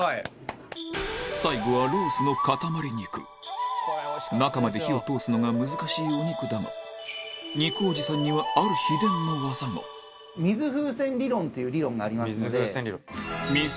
最後はロースの塊肉中まで火を通すのが難しいお肉だが肉おじさんにはある秘伝の技が「水風船理論」っていう理論がありますので。